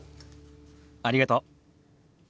ありがとう。